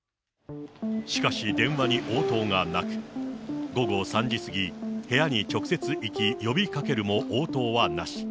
しかし、電話に応答がなく、午後３時過ぎ、部屋に直接行き、呼びかけるも応答はなし。